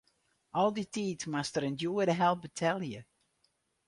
Al dy tiid moast er in djoere help betelje.